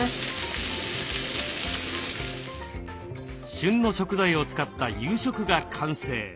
旬の食材を使った夕食が完成。